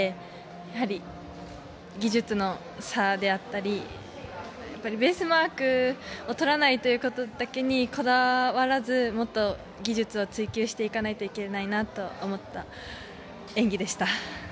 やはり技術の差であったり、ベースマークをとらないということだけにこだわらず、もっと技術を追求していかないといけないと思った演技でした。